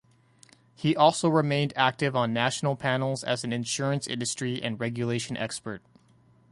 He also remained active on national panels as an insurance industry and regulation expert.